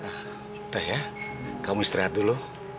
ah udah ya kamu istirahat dulu